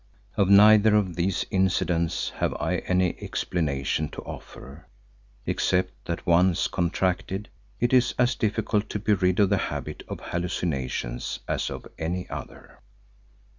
Of neither of these incidents have I any explanation to offer, except that once contracted, it is as difficult to be rid of the habit of hallucinations as of any other.